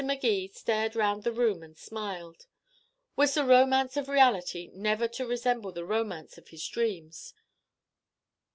Magee stared round the room and smiled. Was the romance of reality never to resemble the romance of his dreams?